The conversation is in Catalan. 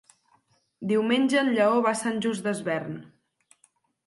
Diumenge en Lleó va a Sant Just Desvern.